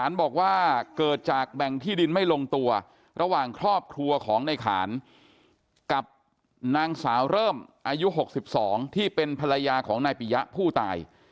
ระหว่างครอบครัวของนายขานกับนางสาวเริ่มอายุ๖๒ที่เป็นภรรยาของนายปียะผู้ตาย